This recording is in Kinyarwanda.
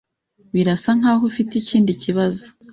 Birasa nkaho ufite ikindi kibazo.